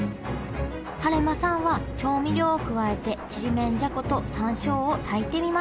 晴間さんは調味料を加えてちりめんじゃこと山椒を炊いてみました